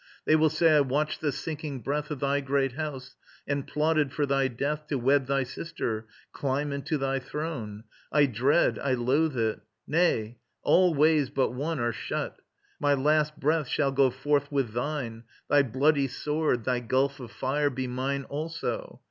They will say I watched the sinking breath Of thy great house and plotted for thy death To wed thy sister, climb into thy throne... I dread, I loathe it. Nay, all ways but one Are shut. My last breath shall go forth with thine, Thy bloody sword, thy gulf of fire be mine Also.